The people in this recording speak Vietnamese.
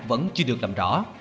vẫn chưa được làm rõ